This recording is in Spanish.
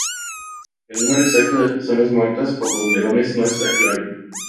El número exacto de personas muertas por los leones no está claro.